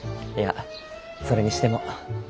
いやそれにしても。